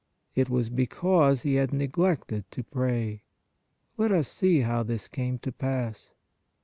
It was because he had neglected to pray. Let us see how this came to pass.